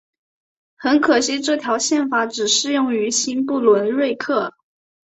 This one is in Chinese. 很可惜这条宪法只适用于新不伦瑞克。